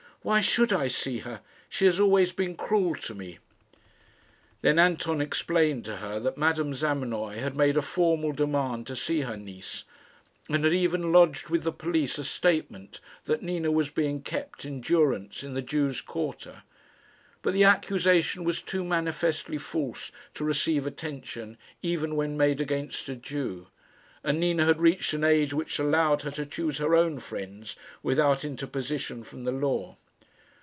"Why should I see her? She has always been cruel to me." Then Anton explained to her that Madame Zamenoy had made a formal demand to see her niece, and had even lodged with the police a statement that Nina was being kept in durance in the Jews' quarter; but the accusation was too manifestly false to receive attention even when made against a Jew, and Nina had reached an age which allowed her to choose her own friends without interposition from the law.